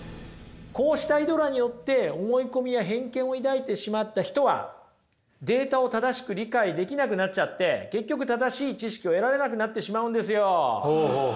こうしたイドラによって思い込みや偏見を抱いてしまった人はデータを正しく理解できなくなっちゃって結局正しい知識を得られなくなってしまうんですよ。